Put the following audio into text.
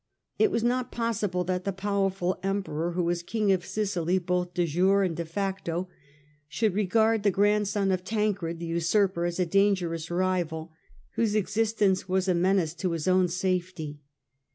It was not possible that the powerful Emperor, who was King of Sicily both de facto and de jure, could regard the grandson of Tancred the Usurper as a dangerous rival whose existence was a menace to his own safety.